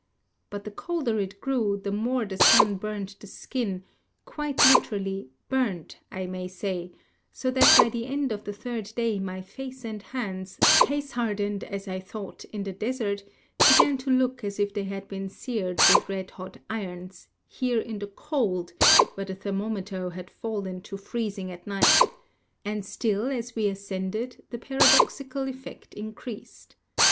But the colder it grew the more the sun burnt the skin — quite literally burnt, I may say ; so that by the end of the third day my face and hands, case hardened, as I thought, in the desert, began to look as if they had been seared with red hot irons, here in the cold, where the thermometer had fallen to freezing at night; and still, as we ascended, the paradoxical effect increased.